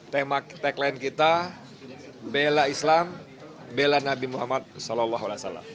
tema tagline kita bela islam bela nabi muhammad saw